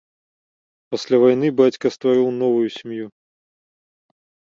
Пасля вайны бацька стварыў новаю сям'ю.